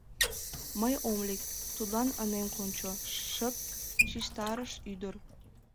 — Мый ом лек, тудлан ынем кончо, — шып шижтарыш ӱдыр.